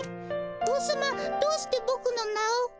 王様どうしてボクの名を。